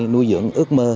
nuôi dưỡng ước mơ